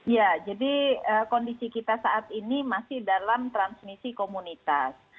ya jadi kondisi kita saat ini masih dalam transmisi komunitas